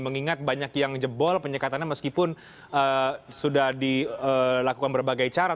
mengingat banyak yang jebol penyekatannya meskipun sudah dilakukan berbagai cara